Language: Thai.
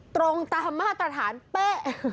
ตรงตามมาตรฐานเป๊ะ